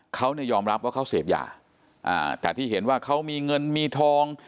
เขาเนี่ยยอมรับว่าเขาเสพยาแต่ที่เห็นว่าเขามีเงินมีทอง